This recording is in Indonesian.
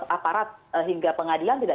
aparat hingga pengadilan tidak